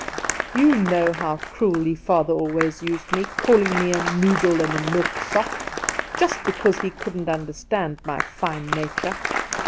You know how cruelly father always used me, calling me a noodle and a milksop, just because he couldn't understand my fine nature.